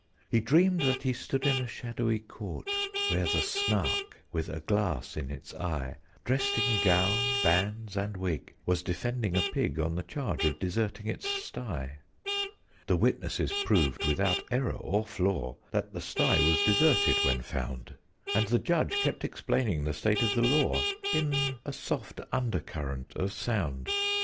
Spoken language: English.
He dreamed that he stood in a shadowy Court, Where the Snark, with a glass in its eye, Dressed in gown, bands, and wig, was defending a pig On the charge of deserting its sty. [Illustration: "'YOU MUST KNOW ' SAID THE JUDGE: BUT THE SNARK EXCLAIMED 'FUDGE!'"] The Witnesses proved, without error or flaw, That the sty was deserted when found: And the Judge kept explaining the state of the law In a soft under current of sound.